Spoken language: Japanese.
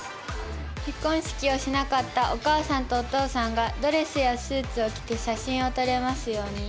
結婚式をしなかったお母さんとお父さんがドレスやスーツを着て写真を撮れますように。